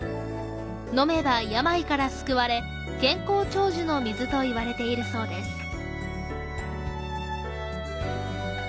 飲めば病から救われ、健康長寿の水といわれているそうです。